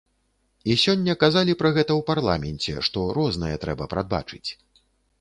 І сёння казалі пра гэта ў парламенце, што рознае трэба прадбачыць.